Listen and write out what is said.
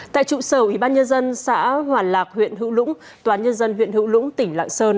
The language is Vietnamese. tại trụ sở ủy ban nhân dân xã hoàn lạc huyện hữu lũng tòa nhân dân huyện hữu lũng tỉnh lạng sơn